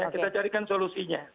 kita carikan solusinya